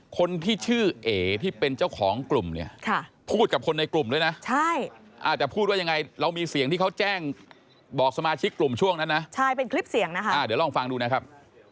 คนที่ชื่อเอ๋ที่เป็นเจ้าของกลุ่มเนี่ยพูดกับคนในกลุ่มด้วยนะใช่แต่พูดว่ายังไงเรามีเสียงที่เขาแจ้งบอกสมาชิกกลุ่มช่วงนั้นนะใช่เป็นคลิปเสียงนะคะเดี๋ยวลองฟังดูนะครับ